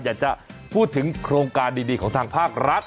อยากจะพูดถึงโครงการดีของทางภาครัฐ